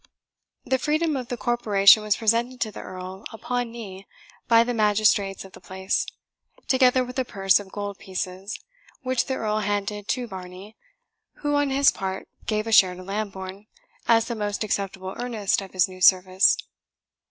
The freedom of the corporation was presented to the Earl upon knee by the magistrates of the place, together with a purse of gold pieces, which the Earl handed to Varney, who, on his part, gave a share to Lambourne, as the most acceptable earnest of his new service.